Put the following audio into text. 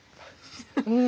うん。